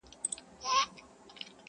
هغه ورځ به پر دې قام باندي رڼا سي،